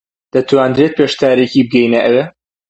دەتوانرێت پێش تاریکی بگەینە ئەوێ؟